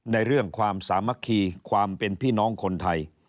ในเรื่องความสามัคคีความเป็นพี่น้องคนไทย